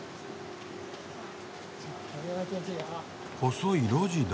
細い路地だ。